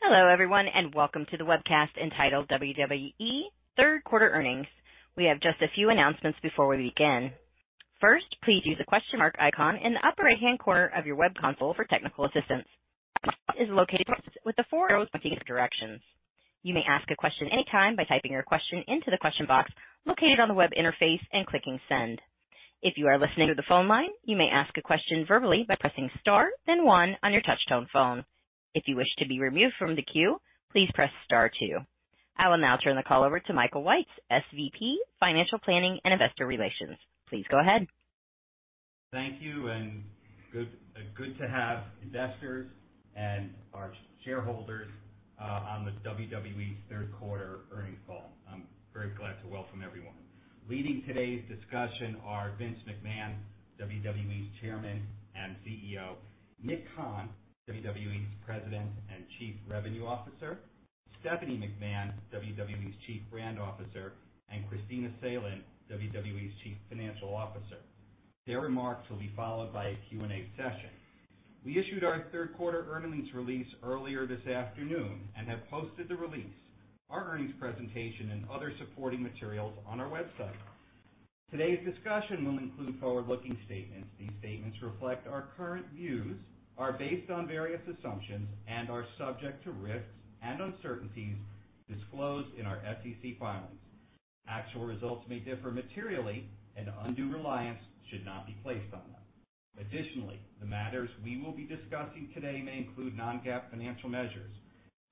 Hello everyone, and welcome to the webcast entitled WWE Third Quarter Earnings. We have just a few announcements before we begin. First, please use the question mark icon in the upper right-hand corner of your web console for technical assistance. It is located with the four arrows pointing in different directions. You may ask a question anytime by typing your question into the question box located on the web interface and clicking Send. If you are listening to the phone line, you may ask a question verbally by pressing Star then one on your touch-tone phone. If you wish to be removed from the queue, please press star two. I will now turn the call over to Michael Weitz, SVP, Financial Planning and Investor Relations. Please go ahead. Thank you, and good to have investors and our shareholders on this WWE third quarter earnings call. I'm very glad to welcome everyone. Leading today's discussion are Vince McMahon, WWE's Chairman and CEO, Nick Khan, WWE's President and Chief Revenue Officer, Stephanie McMahon, WWE's Chief Brand Officer, and Kristina Salen, WWE's Chief Financial Officer. Their remarks will be followed by a Q&A session. We issued our third quarter earnings release earlier this afternoon and have posted the release, our earnings presentation, and other supporting materials on our website. Today's discussion will include forward-looking statements. These statements reflect our current views, are based on various assumptions, and are subject to risks and uncertainties disclosed in our SEC filings. Actual results may differ materially, and undue reliance should not be placed on them. Additionally, the matters we will be discussing today may include non-GAAP financial measures.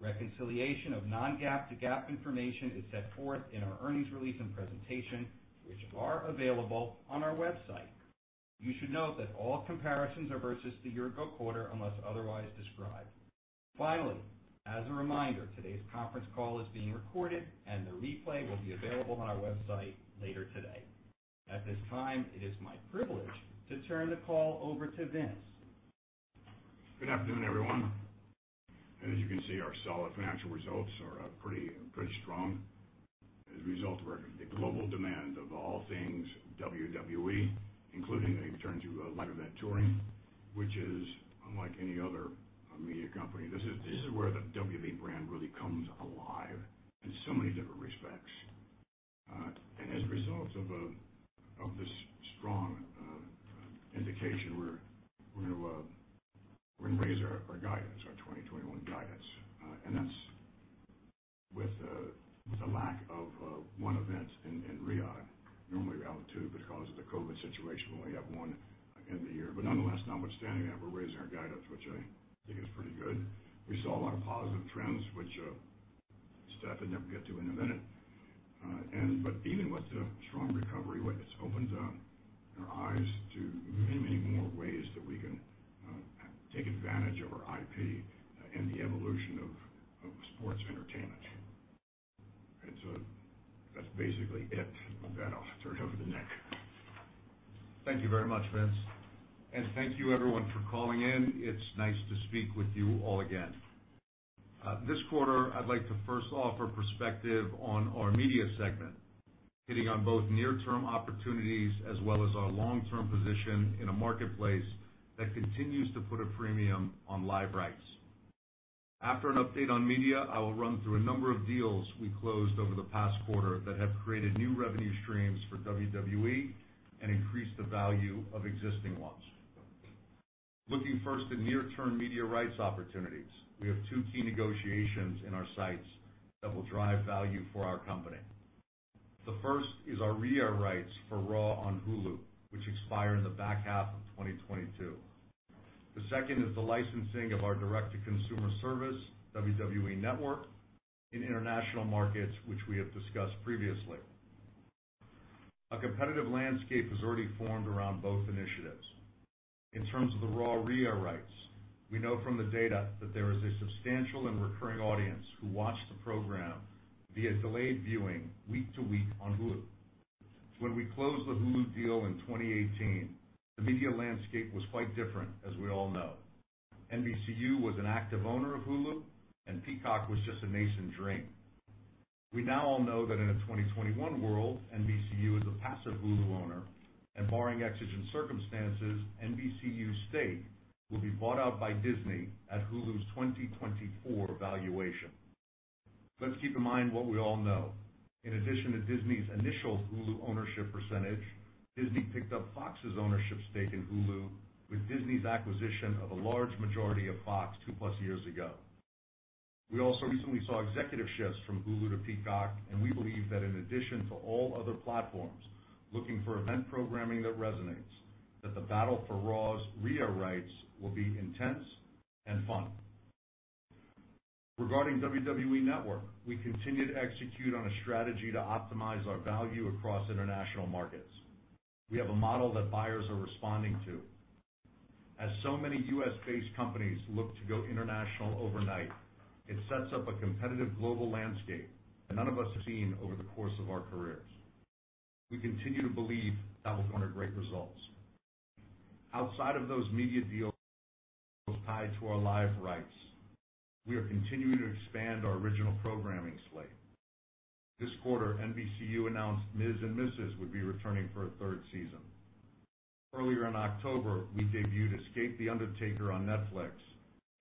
Reconciliation of non-GAAP to GAAP information is set forth in our earnings release and presentation, which are available on our website. You should note that all comparisons are versus the year-ago quarter unless otherwise described. Finally, as a reminder, today's conference call is being recorded and the replay will be available on our website later today. At this time, it is my privilege to turn the call over to Vince. Good afternoon, everyone. As you can see, our solid financial results are pretty strong as a result of the global demand of all things WWE, including a return to live event touring, which is unlike any other media company. This is where the WWE brand really comes alive in so many different respects. As a result of this strong indication, we're gonna raise our guidance, our 2021 guidance. That's with the lack of 1 event in Riyadh. Normally we have 2, because of the COVID situation, we only have 1 again this year. Nonetheless, notwithstanding that, we're raising our guidance, which I think is pretty good. We saw a lot of positive trends which Stephanie will get to in a minute. Even with the strong recovery, it's opened our eyes to many, many more ways that we can take advantage of our IP in the evolution of sports entertainment. That's basically it. With that, I'll turn it over to Nick. Thank you very much, Vince. Thank you everyone for calling in. It's nice to speak with you all again. This quarter, I'd like to first offer perspective on our media segment, hitting on both near-term opportunities as well as our long-term position in a marketplace that continues to put a premium on live rights. After an update on media, I will run through a number of deals we closed over the past quarter that have created new revenue streams for WWE and increased the value of existing ones. Looking first at near-term media rights opportunities, we have two key negotiations in our sights that will drive value for our company. The first is our reair rights for Raw on Hulu, which expire in the back half of 2022. The second is the licensing of our direct-to-consumer service, WWE Network, in international markets, which we have discussed previously. A competitive landscape has already formed around both initiatives. In terms of the Raw reair rights, we know from the data that there is a substantial and recurring audience who watch the program via delayed viewing week to week on Hulu. When we closed the Hulu deal in 2018, the media landscape was quite different, as we all know. NBCU was an active owner of Hulu, and Peacock was just a nascent dream. We now all know that in a 2021 world, NBCU is a passive Hulu owner, and barring exigent circumstances, NBCU's stake will be bought out by Disney at Hulu's 2024 valuation. Let's keep in mind what we all know. In addition to Disney's initial Hulu ownership percentage, Disney picked up Fox's ownership stake in Hulu with Disney's acquisition of a large majority of Fox 2+ years ago. We also recently saw executive shifts from Hulu to Peacock, and we believe that in addition to all other platforms looking for event programming that resonates, that the battle for Raw's reair rights will be intense and fun. Regarding WWE Network, we continue to execute on a strategy to optimize our value across international markets. We have a model that buyers are responding to. As so many U.S.-based companies look to go international overnight, it sets up a competitive global landscape that none of us have seen over the course of our careers. We continue to believe that will garner great results. Outside of those media deals tied to our live rights, we are continuing to expand our original programming slate. This quarter, NBCU announced Miz & Mrs. would be returning for a third season. Earlier in October, we debuted Escape The Undertaker on Netflix,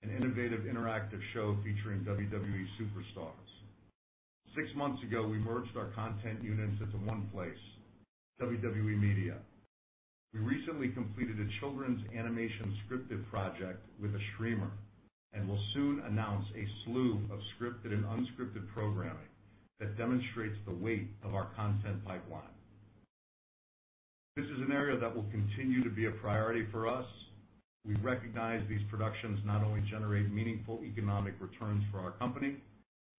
an innovative interactive show featuring WWE Superstars. Six months ago, we merged our content units into one place, WWE Media. We recently completed a children's animation scripted project with a streamer, and will soon announce a slew of scripted and unscripted programming that demonstrates the weight of our content pipeline. This is an area that will continue to be a priority for us. We recognize these productions not only generate meaningful economic returns for our company,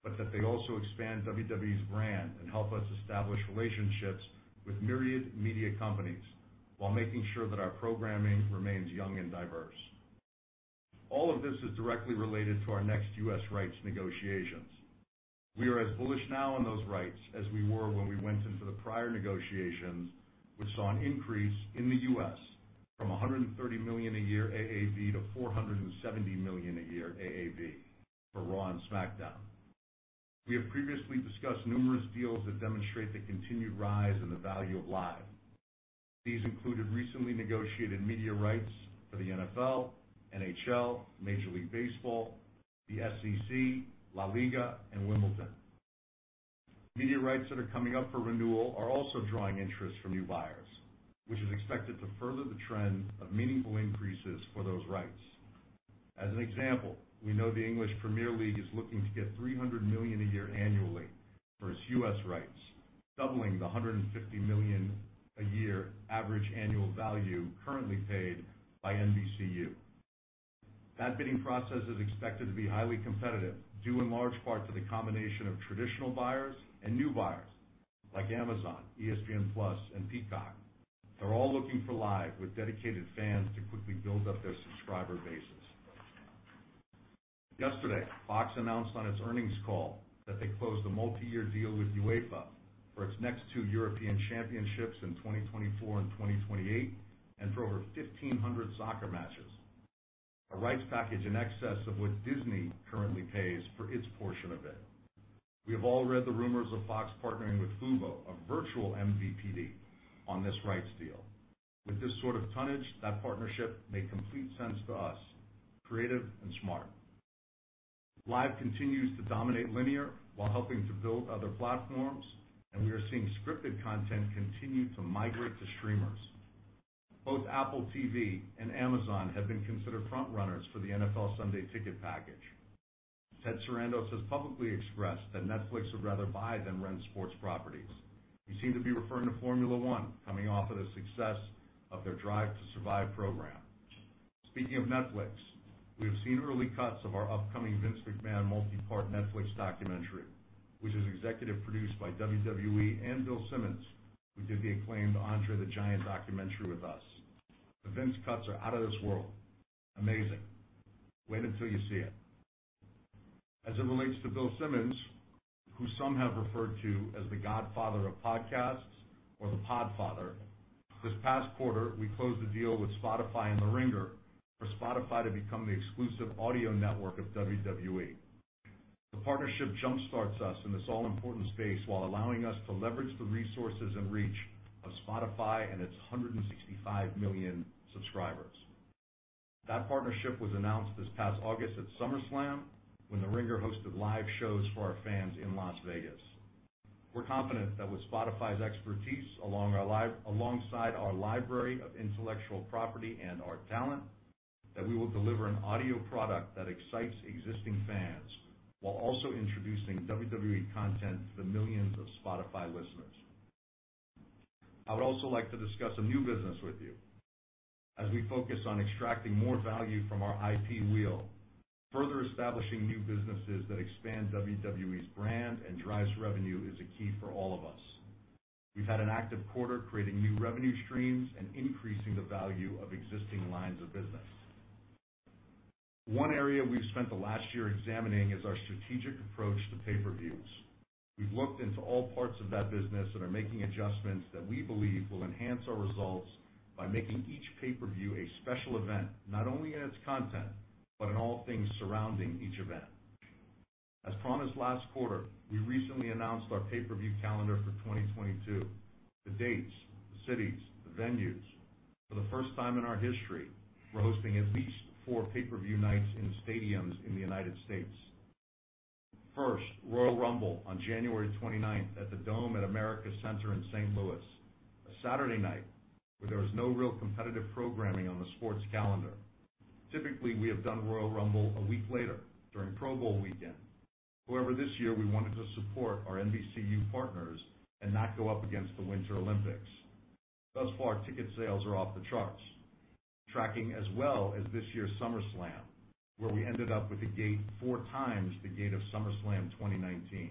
but that they also expand WWE's brand and help us establish relationships with myriad media companies while making sure that our programming remains young and diverse. All of this is directly related to our next U.S. rights negotiations. We are as bullish now on those rights as we were when we went into the prior negotiations, which saw an increase in the U.S. from $130 million a year AAV to $470 million a year AAV for Raw and SmackDown. We have previously discussed numerous deals that demonstrate the continued rise in the value of live. These included recently negotiated media rights for the NFL, NHL, Major League Baseball, the SEC, LaLiga, and Wimbledon. Media rights that are coming up for renewal are also drawing interest from new buyers, which is expected to further the trend of meaningful increases for those rights. As an example, we know the English Premier League is looking to get $300 million a year annually for its U.S. rights, doubling the $150 million a year average annual value currently paid by NBCU. That bidding process is expected to be highly competitive, due in large part to the combination of traditional buyers and new buyers like Amazon, ESPN+, and Peacock. They're all looking for live with dedicated fans to quickly build up their subscriber bases. Yesterday, Fox announced on its earnings call that they closed a multi-year deal with UEFA for its next two European championships in 2024 and 2028, and for over 1,500 soccer matches, a rights package in excess of what Disney currently pays for its portion of it. We have all read the rumors of Fox partnering with fuboTV, a virtual MVPD, on this rights deal. With this sort of tonnage, that partnership made complete sense to us, creative and smart. Live continues to dominate linear while helping to build other platforms, and we are seeing scripted content continue to migrate to streamers. Both Apple TV and Amazon have been considered front runners for the NFL Sunday Ticket package. Ted Sarandos has publicly expressed that Netflix would rather buy than run sports properties. He seemed to be referring to Formula 1 coming off of the success of their Drive to Survive program. Speaking of Netflix, we have seen early cuts of our upcoming Vince McMahon multi-part Netflix documentary, which is executive produced by WWE and Bill Simmons, who did the acclaimed Andre the Giant documentary with us. The Vince cuts are out of this world. Amazing. Wait until you see it. As it relates to Bill Simmons, who some have referred to as the godfather of podcasts or the Podfather. This past quarter, we closed a deal with Spotify and The Ringer for Spotify to become the exclusive audio network of WWE. The partnership jump-starts us in this all-important space while allowing us to leverage the resources and reach of Spotify and its 165 million subscribers. That partnership was announced this past August at SummerSlam when The Ringer hosted live shows for our fans in Las Vegas. We're confident that with Spotify's expertise alongside our library of intellectual property and our talent, that we will deliver an audio product that excites existing fans while also introducing WWE content to the millions of Spotify listeners. I would also like to discuss a new business with you. As we focus on extracting more value from our IP wheel, further establishing new businesses that expand WWE's brand and drives revenue is a key for all of us. We've had an active quarter creating new revenue streams and increasing the value of existing lines of business. One area we've spent the last year examining is our strategic approach to pay-per-views. We've looked into all parts of that business and are making adjustments that we believe will enhance our results by making each pay-per-view a special event, not only in its content, but in all things surrounding each event. As promised last quarter, we recently announced our pay-per-view calendar for 2022. The dates, the cities, the venues. For the first time in our history, we're hosting at least 4 pay-per-view nights in stadiums in the United States. First, Royal Rumble on January 29 at the Dome at America's Center in St. Louis. A Saturday night where there was no real competitive programming on the sports calendar. Typically, we have done Royal Rumble a week later during Pro Bowl weekend. However, this year, we wanted to support our NBCU partners and not go up against the Winter Olympics. Thus far, ticket sales are off the charts, tracking as well as this year's SummerSlam, where we ended up with a gate four times the gate of SummerSlam 2019.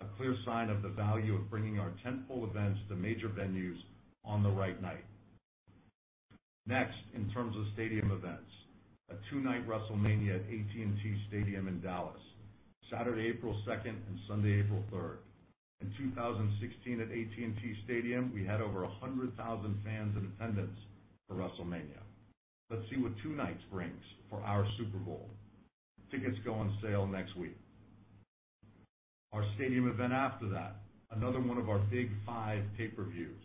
A clear sign of the value of bringing our tentpole events to major venues on the right night. Next, in terms of stadium events, a two-night WrestleMania at AT&T Stadium in Dallas, Saturday, April 2, and Sunday, April 3. In 2016, at AT&T Stadium, we had over 100,000 fans in attendance for WrestleMania. Let's see what two nights brings for our Super Bowl. Tickets go on sale next week. Our stadium event after that, another one of our big five pay-per-views,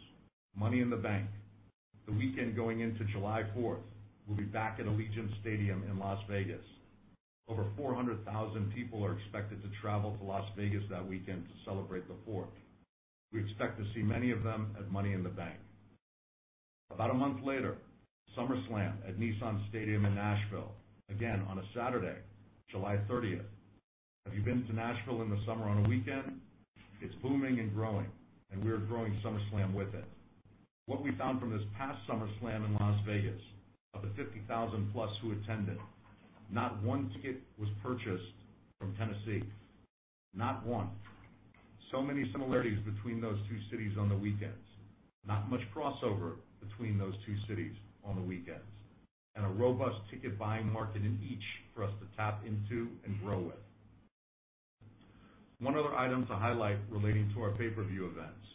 Money in the Bank. The weekend going into July 4, we'll be back at Allegiant Stadium in Las Vegas. Over 400,000 people are expected to travel to Las Vegas that weekend to celebrate the fourth. We expect to see many of them at Money in the Bank. About a month later, SummerSlam at Nissan Stadium in Nashville. Again, on a Saturday, July 30. Have you been to Nashville in the summer on a weekend? It's booming and growing, and we're growing SummerSlam with it. What we found from this past SummerSlam in Las Vegas, of the 50,000 plus who attended, not one ticket was purchased from Tennessee. Not one. Many similarities between those two cities on the weekends. Not much crossover between those two cities on the weekends, and a robust ticket buying market in each for us to tap into and grow with. One other item to highlight relating to our pay-per-view events.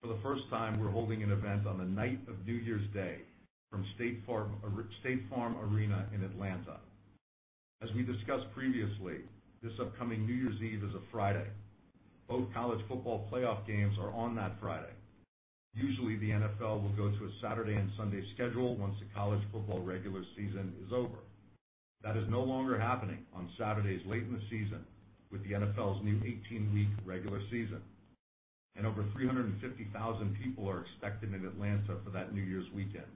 For the first time, we're holding an event on the night of New Year's Day at State Farm Arena in Atlanta. As we discussed previously, this upcoming New Year's Eve is a Friday. Both college football playoff games are on that Friday. Usually, the NFL will go to a Saturday and Sunday schedule once the college football regular season is over. That is no longer happening on Saturdays late in the season with the NFL's new 18-week regular season. Over 350,000 people are expected in Atlanta for that New Year's weekend.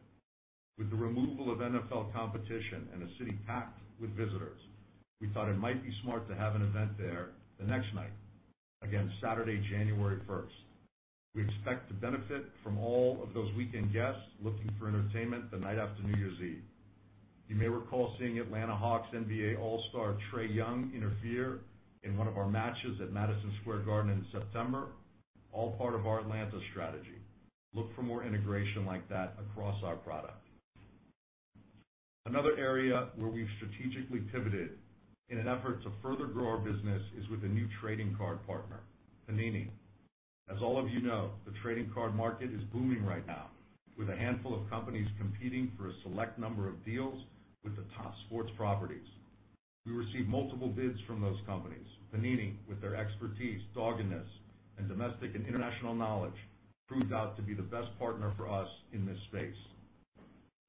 With the removal of NFL competition and a city packed with visitors, we thought it might be smart to have an event there the next night. Again, Saturday, January 1. We expect to benefit from all of those weekend guests looking for entertainment the night after New Year's Eve. You may recall seeing Atlanta Hawks NBA All-Star, Trae Young, interfere in one of our matches at Madison Square Garden in September, all part of our Atlanta strategy. Look for more integration like that across our product. Another area where we've strategically pivoted in an effort to further grow our business is with a new trading card partner, Panini. As all of you know, the trading card market is booming right now, with a handful of companies competing for a select number of deals with the top sports properties. We received multiple bids from those companies. Panini, with their expertise, doggedness, and domestic and international knowledge, proved out to be the best partner for us in this space.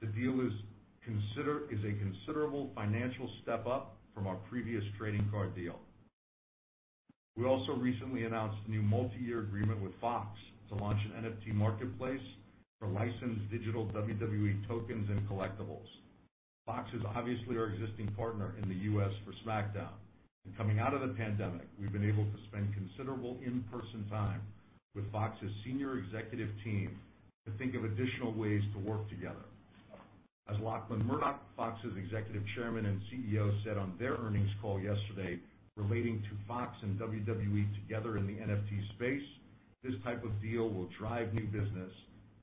The deal is a considerable financial step up from our previous trading card deal. We also recently announced a new multi-year agreement with Fox to launch an NFT marketplace for licensed digital WWE tokens and collectibles. Fox is obviously our existing partner in the U.S. for SmackDown, and coming out of the pandemic, we've been able to spend considerable in-person time with Fox's senior executive team to think of additional ways to work together. As Lachlan Murdoch, Fox's Executive Chairman and CEO, said on their earnings call yesterday relating to Fox and WWE together in the NFT space, this type of deal will drive new business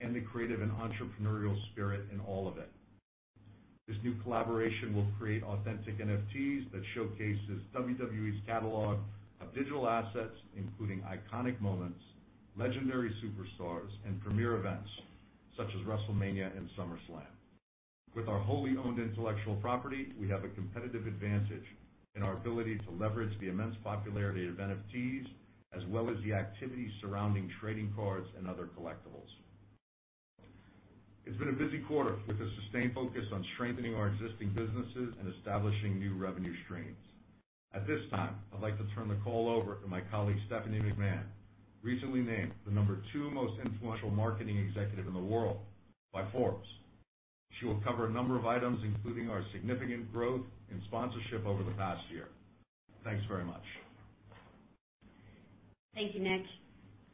and the creative and entrepreneurial spirit in all of it. This new collaboration will create authentic NFTs that showcases WWE's catalog of digital assets, including iconic moments, legendary superstars, and premier events such as WrestleMania and SummerSlam. With our wholly owned intellectual property, we have a competitive advantage in our ability to leverage the immense popularity of NFTs as well as the activities surrounding trading cards and other collectibles. It's been a busy quarter with a sustained focus on strengthening our existing businesses and establishing new revenue streams. At this time, I'd like to turn the call over to my colleague, Stephanie McMahon, recently named the number 2 most influential marketing executive in the world by Forbes. She will cover a number of items, including our significant growth in sponsorship over the past year. Thanks very much. Thank you, Nick.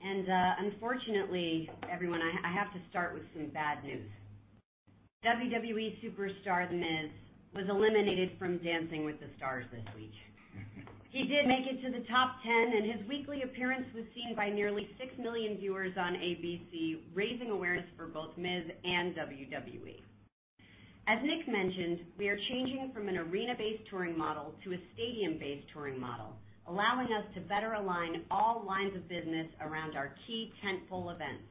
Unfortunately, everyone, I have to start with some bad news. WWE Superstar, The Miz, was eliminated from Dancing with the Stars this week. He did make it to the top 10, and his weekly appearance was seen by nearly 6 million viewers on ABC, raising awareness for both Miz and WWE. As Nick mentioned, we are changing from an arena-based touring model to a stadium-based touring model, allowing us to better align all lines of business around our key tentpole events.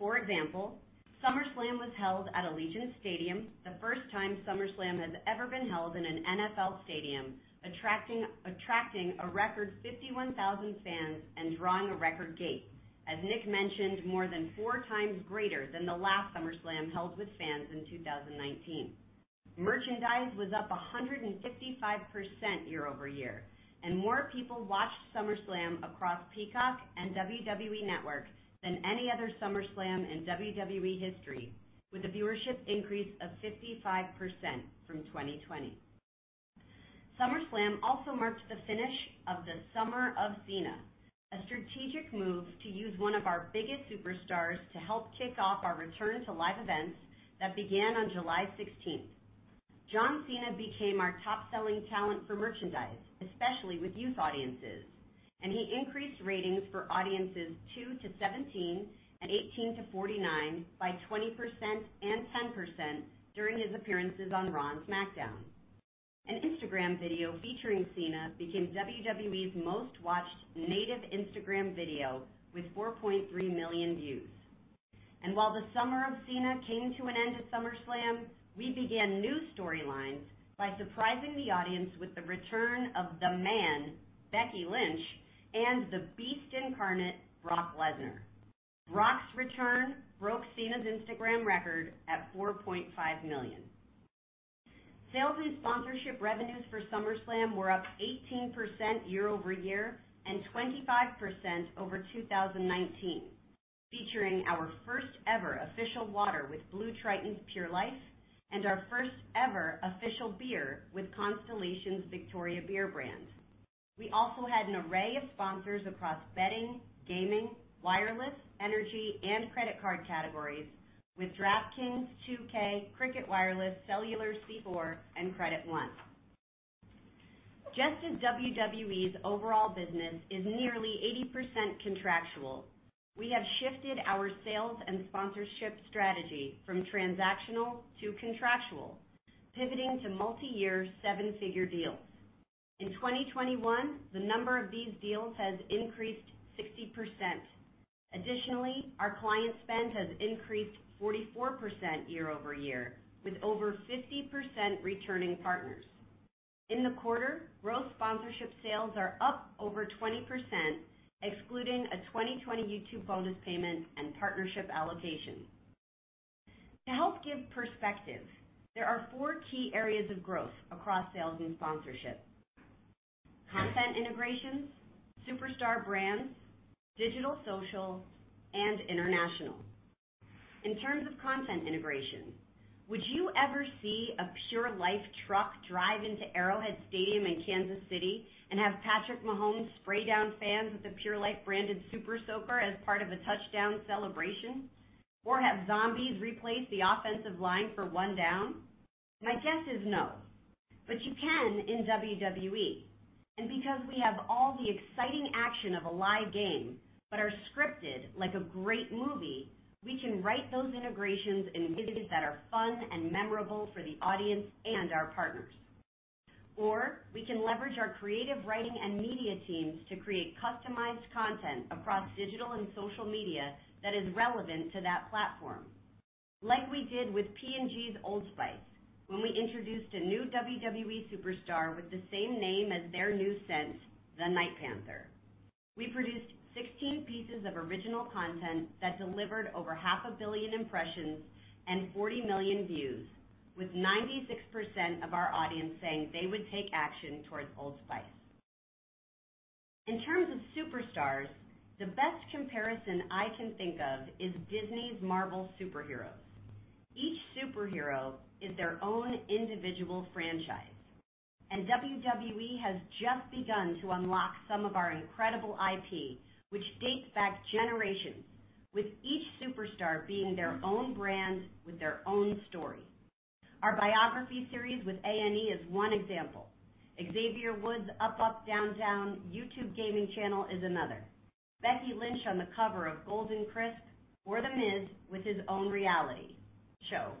For example, SummerSlam was held at Allegiant Stadium, the first time SummerSlam has ever been held in an NFL stadium, attracting a record 51,000 fans and drawing a record gate. As Nick mentioned, more than four times greater than the last SummerSlam held with fans in 2019. Merchandise was up 155% year-over-year, and more people watched SummerSlam across Peacock and WWE Network than any other SummerSlam in WWE history, with a viewership increase of 55% from 2020. SummerSlam also marks the finish of the Summer of Cena, a strategic move to use one of our biggest superstars to help kick off our return to live events that began on July 16. John Cena became our top-selling talent for merchandise, especially with youth audiences, and he increased ratings for audiences 2-17 and 18-49 by 20% and 10% during his appearances on Raw and SmackDown. An Instagram video featuring Cena became WWE's most-watched native Instagram video with 4.3 million views. While the summer of Cena came to an end at SummerSlam, we began new storylines by surprising the audience with the return of The Man, Becky Lynch, and The Beast Incarnate, Brock Lesnar. Brock's return broke Cena's Instagram record at 4.5 million. Sales and sponsorship revenues for SummerSlam were up 18% year-over-year and 25% over 2019, featuring our first ever official water with BlueTriton's Pure Life, and our first ever official beer with Constellation's Victoria beer brand. We also had an array of sponsors across betting, gaming, wireless, energy, and credit card categories with DraftKings, 2K, Cricket Wireless, Cellucor C4, and Credit One. Just as WWE's overall business is nearly 80% contractual, we have shifted our sales and sponsorship strategy from transactional to contractual, pivoting to multiyear seven-figure deals. In 2021, the number of these deals has increased 60%. Additionally, our client spend has increased 44% year-over-year with over 50% returning partners. In the quarter, gross sponsorship sales are up over 20%, excluding a 2020 YouTube bonus payment and partnership allocation. To help give perspective, there are four key areas of growth across sales and sponsorship: content integrations, superstar brands, digital social, and international. In terms of content integration, would you ever see a Pure Life truck drive into Arrowhead Stadium in Kansas City and have Patrick Mahomes spray down fans with a Pure Life branded super soaker as part of a touchdown celebration? Or have zombies replace the offensive line for one down? My guess is no, but you can in WWE. Because we have all the exciting action of a live game, but are scripted like a great movie, we can write those integrations in ways that are fun and memorable for the audience and our partners. We can leverage our creative writing and media teams to create customized content across digital and social media that is relevant to that platform. Like we did with P&G's Old Spice when we introduced a new WWE superstar with the same name as their new scent, the Night Panther. We produced 16 pieces of original content that delivered over 500 million impressions and 40 million views, with 96% of our audience saying they would take action towards Old Spice. In terms of superstars, the best comparison I can think of is Disney's Marvel superheroes. Each superhero is their own individual franchise, and WWE has just begun to unlock some of our incredible IP, which dates back generations, with each superstar being their own brand with their own story. Our biography series with A&E is one example. Xavier Woods' UpUpDown Down YouTube gaming channel is another. Becky Lynch on the cover of Golden Crisp or The Miz with his own reality show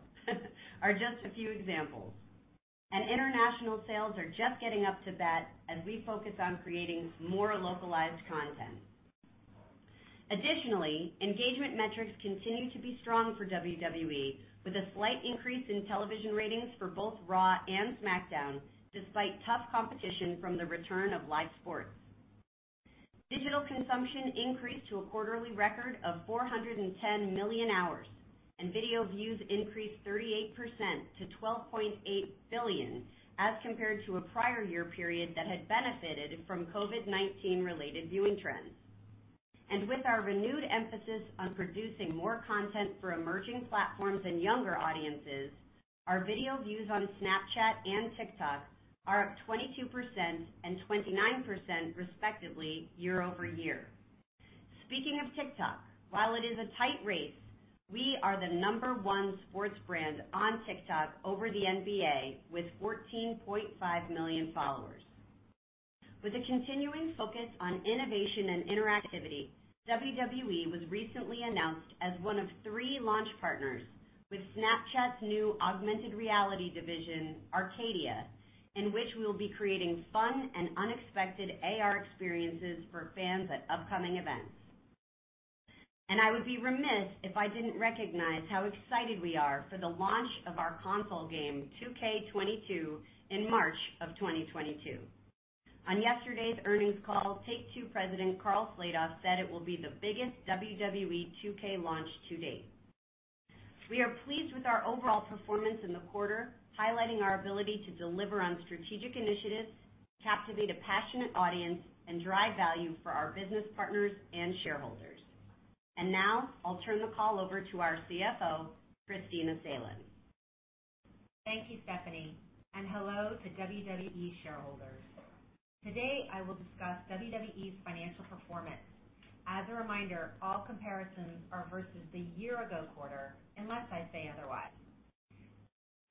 are just a few examples. International sales are just getting up to bat as we focus on creating more localized content. Additionally, engagement metrics continue to be strong for WWE, with a slight increase in television ratings for both Raw and SmackDown, despite tough competition from the return of live sports. Digital consumption increased to a quarterly record of 410 million hours, and video views increased 38% to 12.8 billion, as compared to a prior year period that had benefited from COVID-19 related viewing trends. With our renewed emphasis on producing more content for emerging platforms and younger audiences, our video views on Snapchat and TikTok are up 22% and 29%, respectively, year-over-year. Speaking of TikTok, while it is a tight race, we are the number one sports brand on TikTok over the NBA with 14.5 million followers. With a continuing focus on innovation and interactivity, WWE was recently announced as one of three launch partners with Snapchat's new augmented reality division, Arcadia, in which we'll be creating fun and unexpected AR experiences for fans at upcoming events. I would be remiss if I didn't recognize how excited we are for the launch of our console game, 2K22, in March 2022. On yesterday's earnings call, Take-Two President Karl Slatoff said it will be the biggest WWE 2K launch to date. We are pleased with our overall performance in the quarter, highlighting our ability to deliver on strategic initiatives, captivate a passionate audience, and drive value for our business partners and shareholders. Now I'll turn the call over to our CFO, Kristina Salen. Thank you, Stephanie, and hello to WWE shareholders. Today, I will discuss WWE's financial performance. As a reminder, all comparisons are versus the year-ago quarter, unless I say otherwise.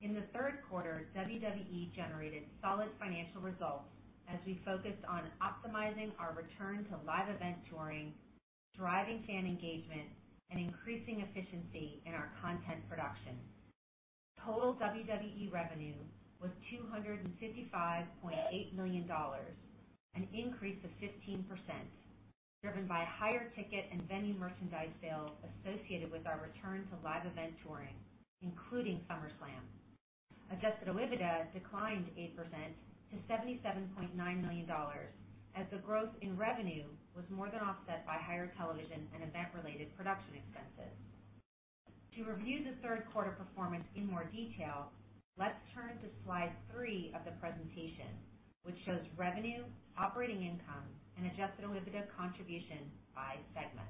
In the third quarter, WWE generated solid financial results as we focused on optimizing our return to live event touring, thriving fan engagement and increasing efficiency in our content production. Total WWE revenue was $255.8 million, an increase of 15%, driven by higher ticket and venue merchandise sales associated with our return to live event touring, including SummerSlam. Adjusted OIBDA declined 8% to $77.9 million as the growth in revenue was more than offset by higher television and event-related production expenses. To review the third quarter performance in more detail, let's turn to slide 3 of the presentation, which shows revenue, operating income, and adjusted OIBDA contribution by segment.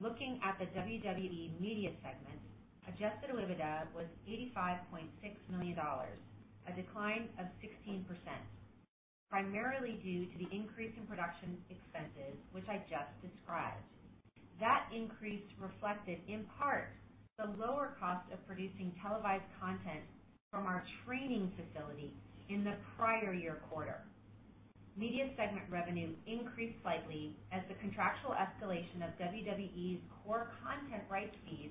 Looking at the WWE Media segment, adjusted OIBDA was $85.6 million, a decline of 16%, primarily due to the increase in production expenses, which I just described. That increase reflected, in part, the lower cost of producing televised content from our training facility in the prior year quarter. Media segment revenue increased slightly as the contractual escalation of WWE's core content rights fees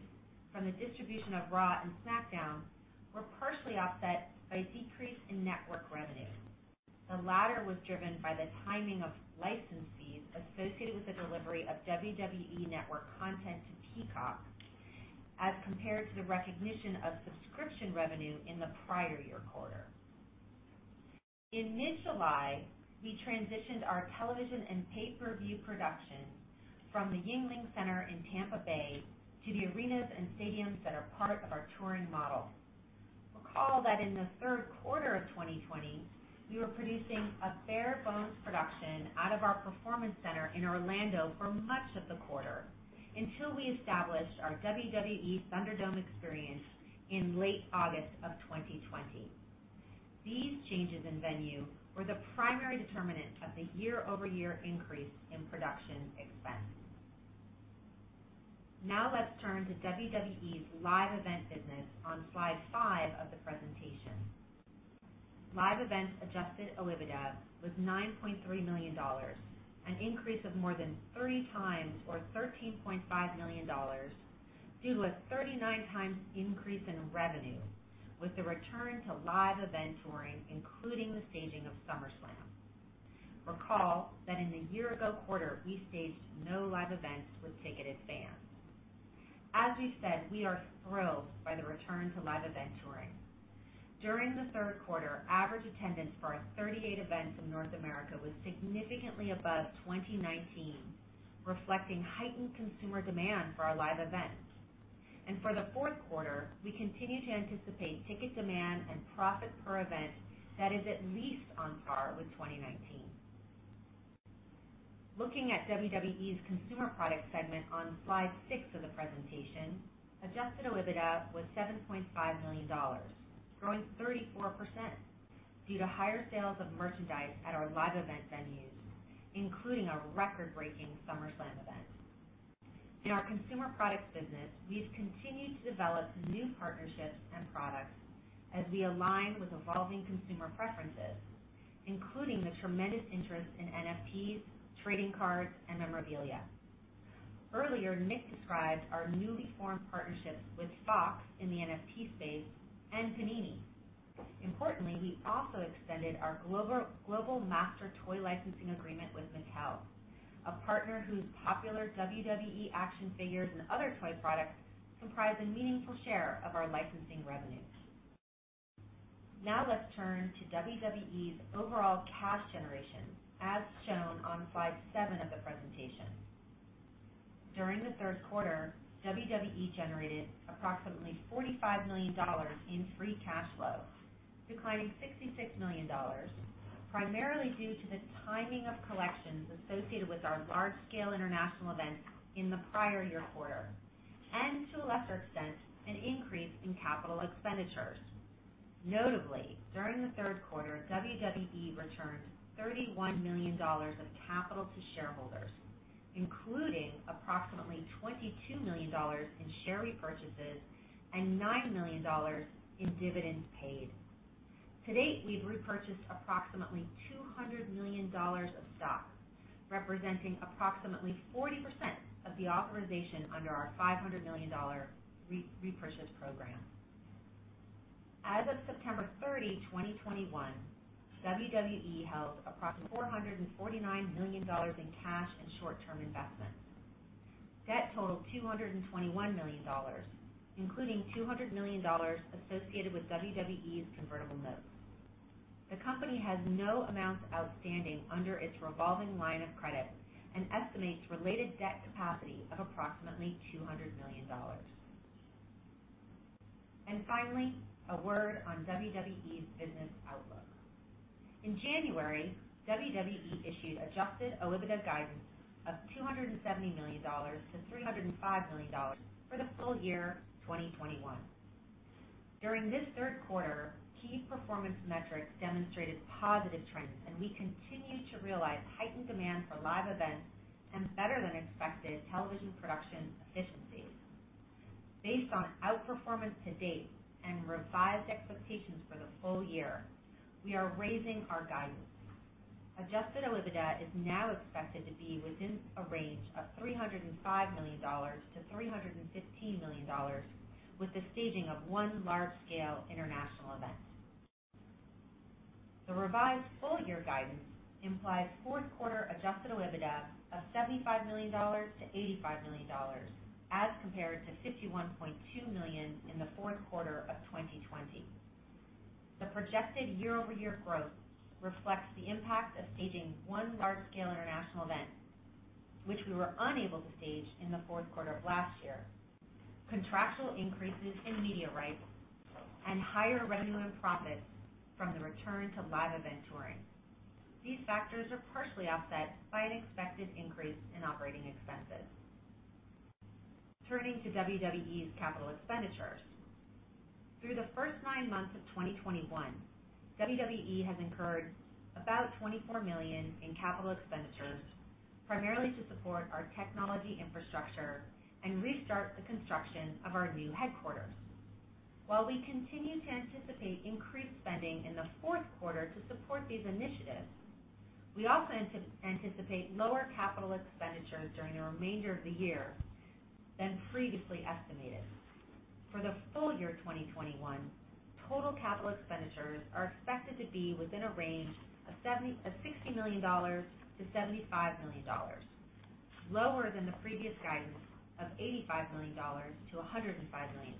from the distribution of Raw and SmackDown were partially offset by decrease in network revenue. The latter was driven by the timing of license fees associated with the delivery of WWE Network content to Peacock as compared to the recognition of subscription revenue in the prior year quarter. In mid-July, we transitioned our television and pay-per-view production from the Yuengling Center in Tampa Bay to the arenas and stadiums that are part of our touring model. Recall that in the third quarter of 2020, we were producing a bare bones production out of our performance center in Orlando for much of the quarter until we established our WWE ThunderDome experience in late August of 2020. These changes in venue were the primary determinant of the year-over-year increase in production expense. Now let's turn to WWE's live event business on slide 5 of the presentation. Live event adjusted OIBDA was $9.3 million, an increase of more than 3x or $13.5 million due to a 39x increase in revenue with the return to live event touring, including the staging of SummerSlam. Recall that in the year-ago quarter, we staged no live events with ticketed fans. As we've said, we are thrilled by the return to live event touring. During the third quarter, average attendance for our 38 events in North America was significantly above 2019, reflecting heightened consumer demand for our live events. For the fourth quarter, we continue to anticipate ticket demand and profit per event that is at least on par with 2019. Looking at WWE's consumer product segment on slide 6 of the presentation, adjusted OIBDA was $7.5 million, growing 34% due to higher sales of merchandise at our live event venues, including our record-breaking SummerSlam event. In our consumer products business, we've continued to develop new partnerships and products as we align with evolving consumer preferences, including the tremendous interest in NFTs, trading cards, and memorabilia. Earlier, Nick described our newly formed partnerships with Fox in the NFT space and Panini. Importantly, we also extended our global master toy licensing agreement with Mattel, a partner whose popular WWE action figures and other toy products comprise a meaningful share of our licensing revenues. Now let's turn to WWE's overall cash generation as shown on slide 7 of the presentation. During the third quarter, WWE generated approximately $45 million in free cash flow, declining $66 million, primarily due to the timing of collections associated with our large-scale international events in the prior year quarter and, to a lesser extent, an increase in capital expenditures. Notably, during the third quarter, WWE returned $31 million of capital to shareholders, including approximately $22 million in share repurchases and $9 million in dividends paid. To date, we've repurchased approximately $200 million of stock, representing approximately 40% of the authorization under our $500 million repurchase program. As of September 30, 2021, WWE held approximately $449 million in cash and short-term investments. Debt totaled $221 million, including $200 million associated with WWE's convertible notes. The company has no amounts outstanding under its revolving line of credit and estimates related debt capacity of approximately $200 million. Finally, a word on WWE's business outlook. In January, WWE issued adjusted OIBDA guidance of $270 million-$305 million for the full year of 2021. During this third quarter, key performance metrics demonstrated positive trends, and we continued to realize heightened demand for live events and better than expected television production efficiencies. Based on outperformance to date and revised expectations for the full year, we are raising our guidance. Adjusted OIBDA is now expected to be within a range of $305 million-$315 million with the staging of one large-scale international event. The revised full-year guidance implies fourth quarter adjusted OIBDA of $75 million-$85 million as compared to $51.2 million in the fourth quarter of 2020. The projected year-over-year growth reflects the impact of staging one large-scale international event, which we were unable to stage in the fourth quarter of last year, contractual increases in media rights, and higher revenue and profits from the return to live event touring. These factors are partially offset by an expected increase in operating expenses. Turning to WWE's capital expenditures. Through the first nine months of 2021, WWE has incurred about $24 million in capital expenditures, primarily to support our technology infrastructure and restart the construction of our new headquarters. While we continue to anticipate increased spending in the fourth quarter to support these initiatives, we also anticipate lower capital expenditures during the remainder of the year than previously estimated. For the full year 2021, total capital expenditures are expected to be within a range of $60 million-$75 million, lower than the previous guidance of $85 million-$105 million.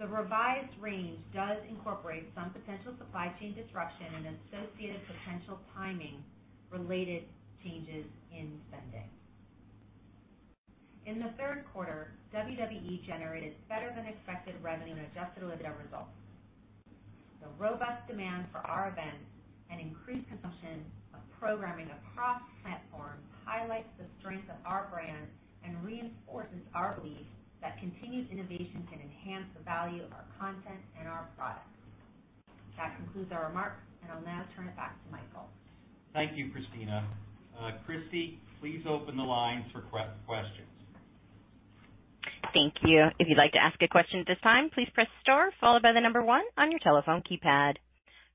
The revised range does incorporate some potential supply chain disruption and associated potential timing-related changes in spending. In the third quarter, WWE generated better than expected revenue and adjusted OIBDA results. The robust demand for our events and increased consumption of programming across platforms highlights the strength of our brand and reinforces our belief that continued innovation can enhance the value of our content and our products. That concludes our remarks, and I'll now turn it back to Michael. Thank you, Kristina. Kristina, please open the line for questions.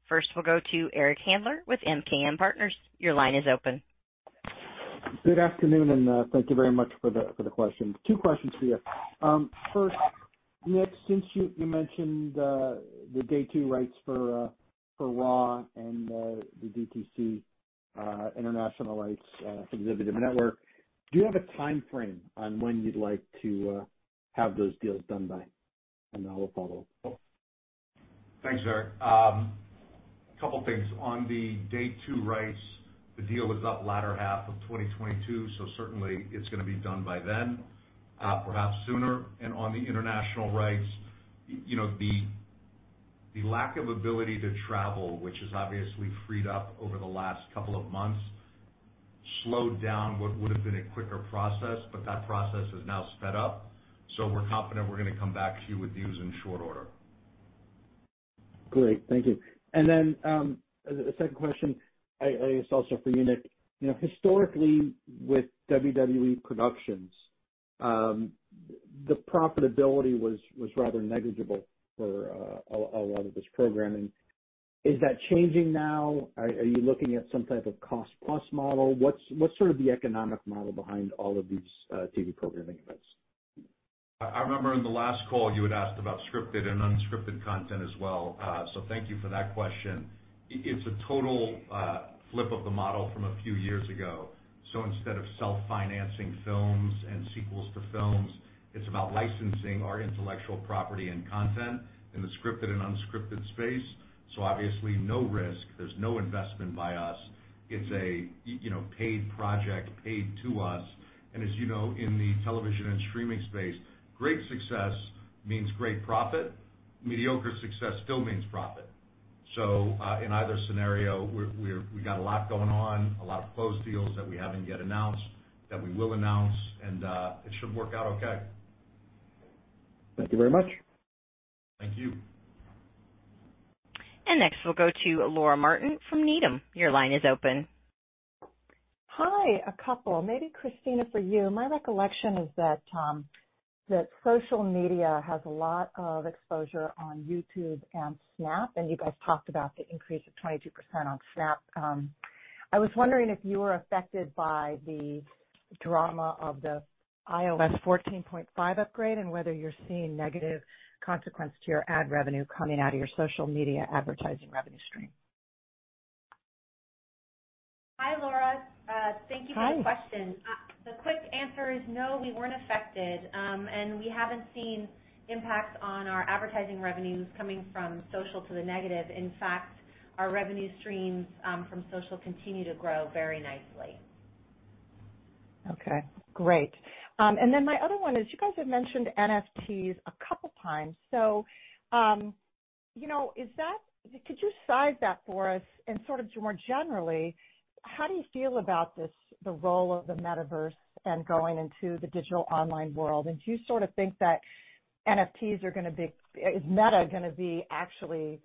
First, we'll go to Eric Handler with MKM Partners. Your line is open. Good afternoon, thank you very much for the question. Two questions for you. First, Nick, since you mentioned the Day 2 rights for Raw and the DTC international rights for WWE Network, do you have a timeframe on when you'd like to have those deals done by? I'll follow up. Thanks, Eric. Couple things. On the day two rights, the deal is up latter half of 2022, so certainly it's gonna be done by then, perhaps sooner. On the international rights, you know, the lack of ability to travel, which has obviously freed up over the last couple of months, slowed down what would've been a quicker process, but that process is now sped up. We're confident we're gonna come back to you with news in short order. Great. Thank you. The second question I guess also for you, Nick. You know, historically with WWE Studios, the profitability was rather negligible for a lot of this programming. Is that changing now? Are you looking at some type of cost plus model? What's sort of the economic model behind all of these TV programming events? I remember in the last call you had asked about scripted and unscripted content as well. Thank you for that question. It's a total flip of the model from a few years ago. Instead of self-financing films and sequels to films, it's about licensing our intellectual property and content in the scripted and unscripted space. Obviously no risk. There's no investment by us. It's a paid project, paid to us. As you know, in the television and streaming space, great success means great profit. Mediocre success still means profit. In either scenario, we got a lot going on, a lot of closed deals that we haven't yet announced, that we will announce, and it should work out okay. Thank you very much. Thank you. Next we'll go to Laura Martin from Needham. Your line is open. Hi. A couple. Maybe Kristina for you. My recollection is that social media has a lot of exposure on YouTube and Snap, and you guys talked about the increase of 22% on Snap. I was wondering if you were affected by the drama of the iOS 14.5 upgrade and whether you're seeing negative consequence to your ad revenue coming out of your social media advertising revenue stream. Hi, Laura. Thank you for the question. Hi. The quick answer is no, we weren't affected. We haven't seen impacts on our advertising revenues coming from social to the negative. In fact, our revenue streams from social continue to grow very nicely. Okay. Great. My other one is you guys have mentioned NFTs a couple times. You know, could you size that for us? Sort of more generally, how do you feel about this, the role of the metaverse and going into the digital online world? Do you sort of think that is metaverse gonna be actually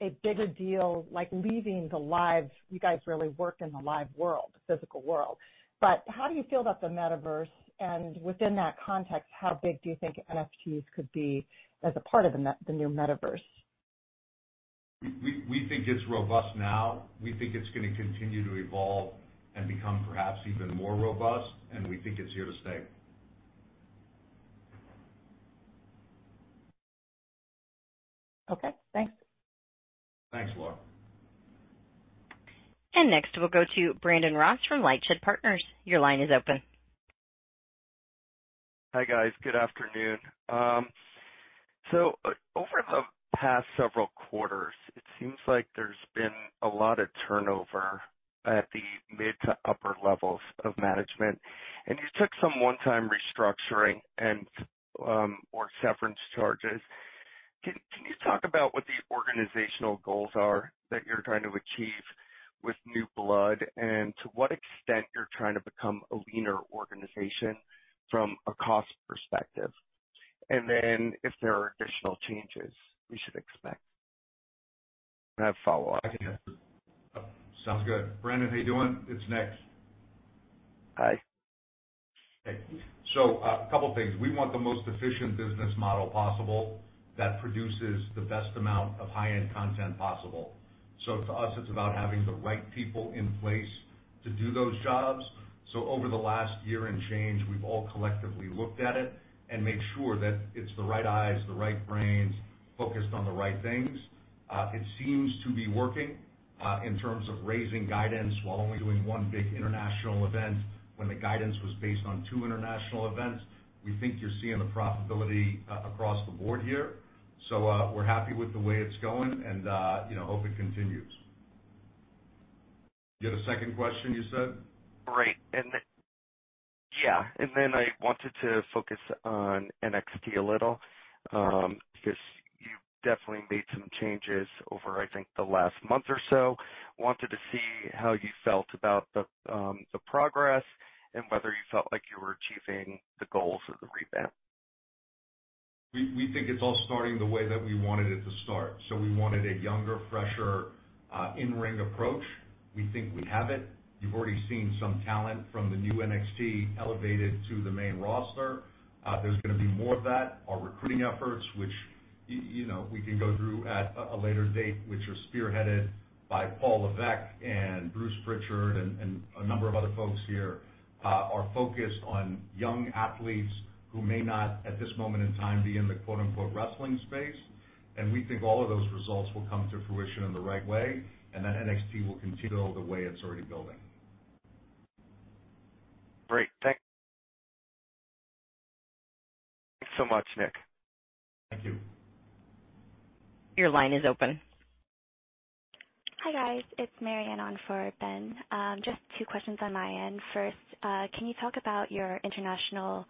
A bigger deal like you guys really work in the live world, physical world. How do you feel about the metaverse? Within that context, how big do you think NFTs could be as a part of the new metaverse? We think it's robust now. We think it's gonna continue to evolve and become perhaps even more robust, and we think it's here to stay. Okay, thanks. Thanks, Laura. Next, we'll go to Brandon Ross from LightShed Partners. Your line is open. Hi, guys. Good afternoon. OVer the past several quarters, it seems like there's been a lot of turnover at the mid to upper levels of management, and you took some one-time restructuring and, or severance charges. Can you talk about what the organizational goals are that you're trying to achieve with new blood and to what extent you're trying to become a leaner organization from a cost perspective? If there are additional changes we should expect? I have follow-up. Sounds good. Brandon, how you doing? It's Nick. Hi. A couple things. We want the most efficient business model possible that produces the best amount of high-end content possible. To us, it's about having the right people in place to do those jobs. Over the last year and change, we've all collectively looked at it and made sure that it's the right eyes, the right brains focused on the right things. It seems to be working in terms of raising guidance while only doing one big international event when the guidance was based on two international events. We think you're seeing the profitability across the board here. We're happy with the way it's going and, you know, hope it continues. You had a second question, you said? I wanted to focus on NXT a little, because you've definitely made some changes over, I think, the last month or so. I wanted to see how you felt about the progress and whether you felt like you were achieving the goals of the revamp. We think it's all starting the way that we wanted it to start. We wanted a younger, fresher, in-ring approach. We think we have it. You've already seen some talent from the new NXT elevated to the main roster. There's gonna be more of that. Our recruiting efforts, which we can go through at a later date, which are spearheaded by Paul Levesque and Bruce Prichard and a number of other folks here, are focused on young athletes who may not, at this moment in time, be in the quote-unquote wrestling space. We think all of those results will come to fruition in the right way, and that NXT will continue to build the way it's already building. Great. Thanks so much, Nick. Thank you. Your line is open. Hi, guys. It's Marianne on for Ben. Just two questions on my end. First, can you talk about your international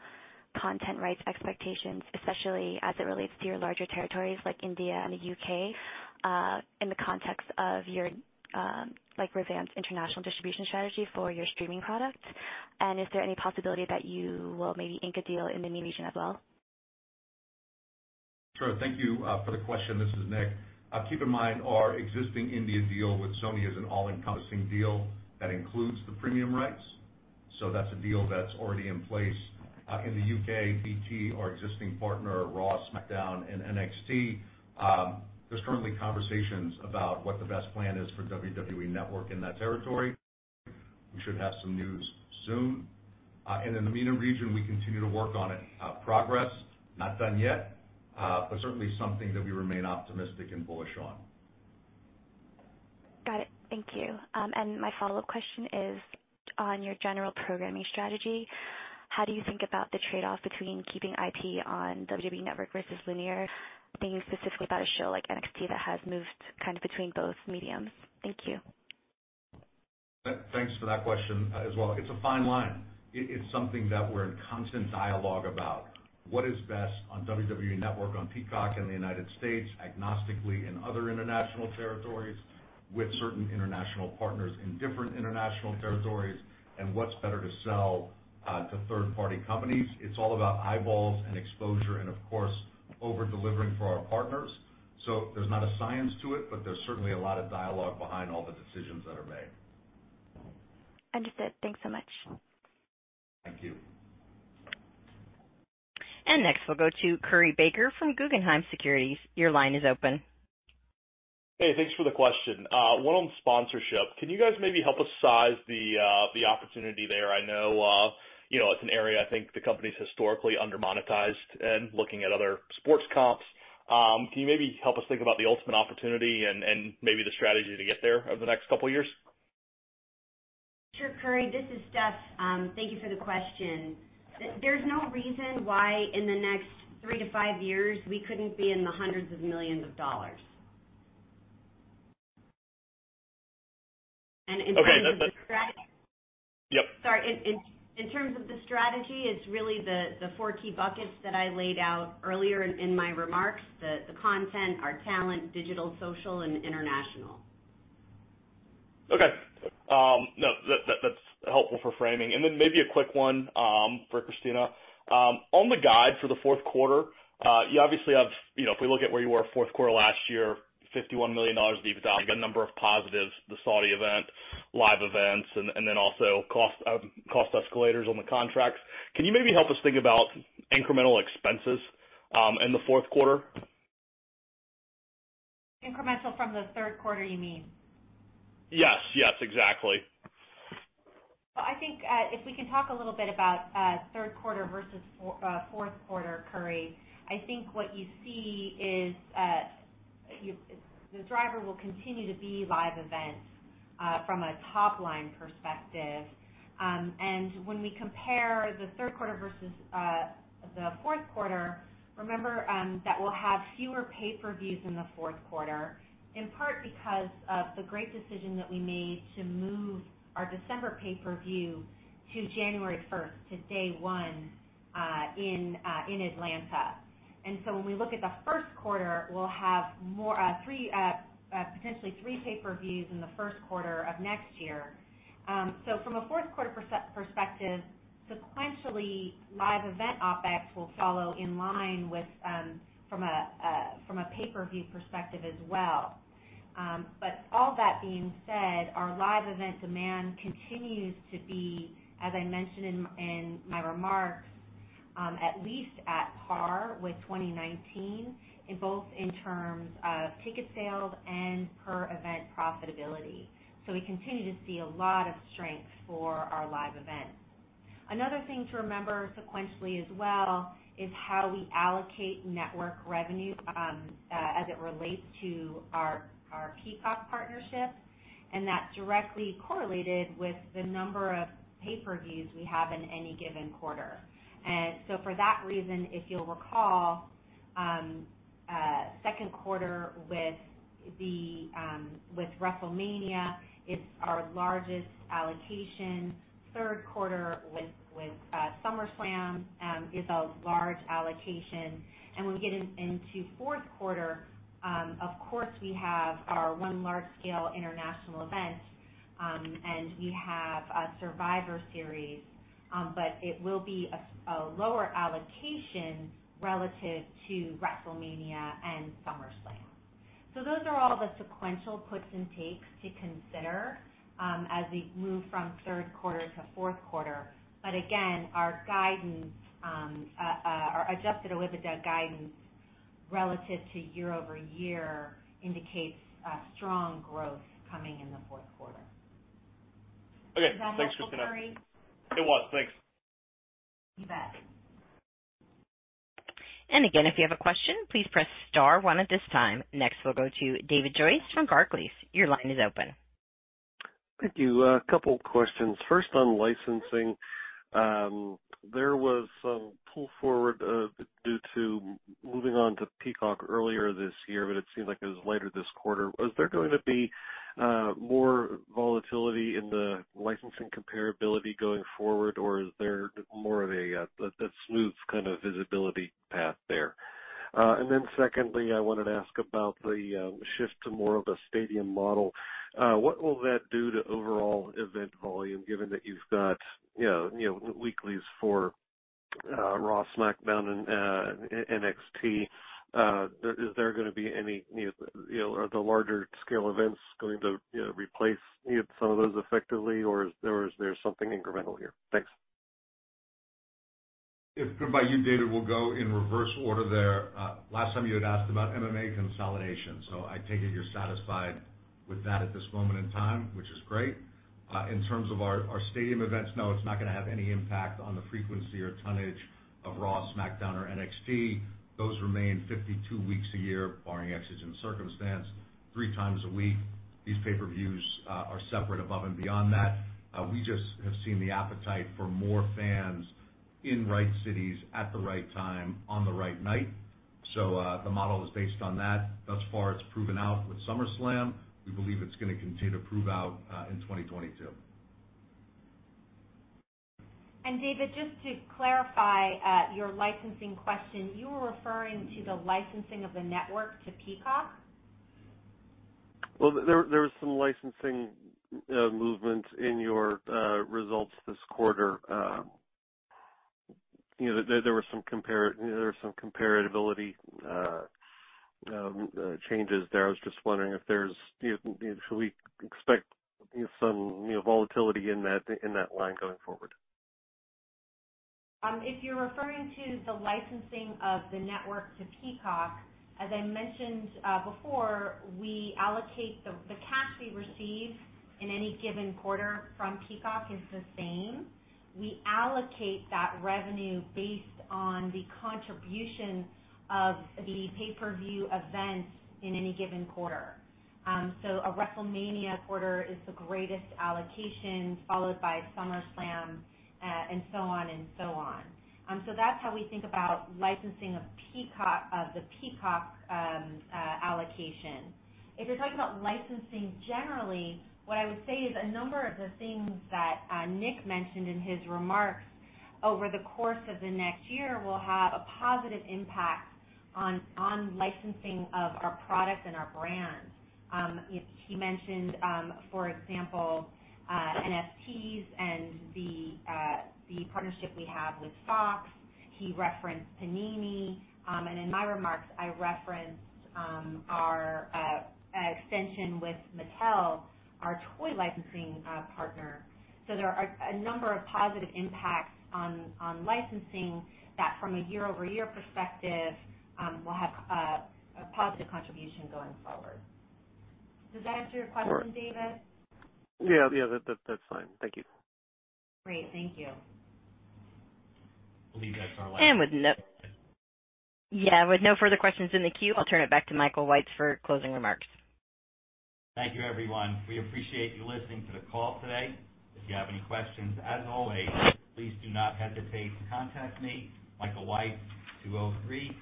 content rights expectations, especially as it relates to your larger territories like India and the U.K., in the context of your, like, revamped international distribution strategy for your streaming products? And is there any possibility that you will maybe ink a deal in the MENA region as well? Sure. Thank you for the question. This is Nick. Keep in mind, our existing India deal with Sony is an all-encompassing deal that includes the premium rights, so that's a deal that's already in place. In the U.K., BT, our existing partner, Raw, SmackDown, and NXT, there's currently conversations about what the best plan is for WWE Network in that territory. We should have some news soon. In the MENA region, we continue to work on it. Progress, not done yet, but certainly something that we remain optimistic and bullish on. Got it. Thank you. My follow-up question is on your general programming strategy, how do you think about the trade-off between keeping IP on WWE Network versus linear, thinking specifically about a show like NXT that has moved kind of between both mediums? Thank you. Thanks for that question, as well. It's a fine line. It's something that we're in constant dialogue about. What is best on WWE Network on Peacock in the United States, agnostically in other international territories with certain international partners in different international territories, and what's better to sell to third-party companies? It's all about eyeballs and exposure and, of course, over-delivering for our partners. There's not a science to it, but there's certainly a lot of dialogue behind all the decisions that are made. Understood. Thanks so much. Thank you. Next, we'll go to Curry Baker from Guggenheim Securities. Your line is open. Hey, thanks for the question. One on sponsorship. Can you guys maybe help us size the the opportunity there? I know, you know, it's an area I think the company's historically under-monetized and looking at other sports comps. Can you maybe help us think about the ultimate opportunity and maybe the strategy to get there over the next couple of years? Sure, Curry, this is Steph. Thank you for the question. There's no reason why in the next 3-5 years we couldn't be in the hundreds of millions of dollars. In terms of the strategy- Okay. That's yep. Sorry. In terms of the strategy, it's really the four key buckets that I laid out earlier in my remarks, the content, our talent, digital, social, and international. Okay. No, that's helpful for framing. Maybe a quick one for Kristina. On the guide for the fourth quarter, you obviously have, you know, if we look at where you were fourth quarter last year, $51 million EBITDA, you got a number of positives, the Saudi event, live events, and then also cost escalators on the contracts. Can you maybe help us think about incremental expenses in the fourth quarter? Incremental from the third quarter, you mean? Yes. Yes, exactly. I think if we can talk a little bit about third quarter versus fourth quarter, Curry, I think what you see is the driver will continue to be live events from a top-line perspective. When we compare the third quarter versus the fourth quarter, remember that we'll have fewer pay-per-views in the fourth quarter, in part because of the great decision that we made to move our December pay-per-view to January first, to Day 1 in Atlanta. When we look at the first quarter, we'll have more, potentially three pay-per-views in the first quarter of next year. From a fourth quarter perspective, sequentially, live event OpEx will follow in line with from a pay-per-view perspective as well. All that being said, our live event demand continues to be, as I mentioned in my remarks, at least at par with 2019, in both in terms of ticket sales and per event profitability. We continue to see a lot of strength for our live events. Another thing to remember sequentially as well is how we allocate network revenue, as it relates to our Peacock partnership, and that's directly correlated with the number of pay-per-views we have in any given quarter. For that reason, if you'll recall, second quarter with WrestleMania is our largest allocation. Third quarter with SummerSlam is a large allocation. When we get into fourth quarter, of course we have our one large-scale international event, and we have a Survivor Series, but it will be a lower allocation relative to WrestleMania and SummerSlam. Those are all the sequential puts and takes to consider, as we move from third quarter to fourth quarter. Again, our guidance, our adjusted OIBDA guidance relative to year-over-year indicates a strong growth coming in the fourth quarter. Okay. Thanks, Kristina. Is that helpful, Curry? It was. Thanks. You bet. Again, if you have a question, please press star one at this time. Next, we'll go to David Joyce from Barclays. Your line is open. Thank you. A couple of questions. First, on licensing, there was some pull forward due to moving on to Peacock earlier this year, but it seems like it was later this quarter. Was there going to be more volatility in the licensing comparability going forward, or is there more of a smooth kind of visibility path there? Secondly, I wanted to ask about the shift to more of a stadium model. What will that do to overall event volume, given that you've got you know weeklies for Raw, SmackDown, and NXT? Is there gonna be any, you know, are the larger scale events going to you know replace some of those effectively or is there something incremental here? Thanks. If good by you, David, we'll go in reverse order there. Last time you had asked about MMA consolidation, so I take it you're satisfied with that at this moment in time, which is great. In terms of our stadium events, no, it's not gonna have any impact on the frequency or tonnage of Raw, SmackDown, or NXT. Those remain 52 weeks a year, barring exigent circumstance, three times a week. These pay-per-views are separate above and beyond that. We just have seen the appetite for more fans in right cities at the right time on the right night. The model is based on that. Thus far, it's proven out with SummerSlam. We believe it's gonna continue to prove out in 2022. David, just to clarify, your licensing question, you were referring to the licensing of the network to Peacock? Well, there was some licensing movement in your results this quarter. You know, there were some comparability changes there. I was just wondering, you know, should we expect some, you know, volatility in that line going forward? If you're referring to the licensing of the network to Peacock, as I mentioned before, we allocate the cash we receive in any given quarter from Peacock the same. We allocate that revenue based on the contribution of the pay-per-view events in any given quarter. A WrestleMania quarter is the greatest allocation, followed by SummerSlam, and so on and so on. That's how we think about licensing of the Peacock allocation. If you're talking about licensing generally, what I would say is a number of the things that Nick mentioned in his remarks over the course of the next year will have a positive impact on licensing of our products and our brands. He mentioned, for example, NFTs and the partnership we have with Fox. He referenced Panini. In my remarks, I referenced our extension with Mattel, our toy licensing partner. There are a number of positive impacts on licensing that, from a year-over-year perspective, will have a positive contribution going forward. Does that answer your question, David? Yeah, yeah, that's fine. Thank you. Great. Thank you. I believe that's our last one. With no further questions in the queue, I'll turn it back to Michael Weitz for closing remarks. Thank you, everyone. We appreciate you listening to the call today. If you have any questions, as always, please do not hesitate to contact me, Michael Weitz, at 203-352-8600.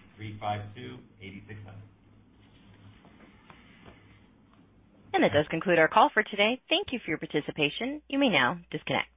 That does conclude our call for today. Thank you for your participation. You may now disconnect.